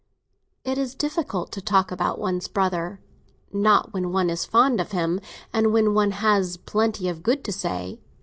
"It is difficult to talk about one's brother." "Not when one is fond of him, and when one has plenty of good to say."